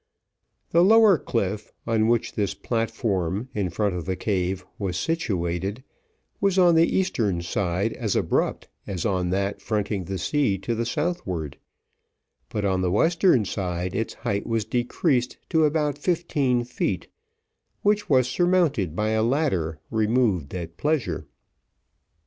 The lower cliff, on which this platform in front of the cave was situated, was on the eastern side as abrupt as on that fronting the sea to the southward; but on the western side, its height was decreased to about fifteen feet, which was surmounted by a ladder removed at pleasure.